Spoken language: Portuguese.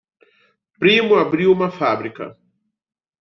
Primo abriu uma fábrica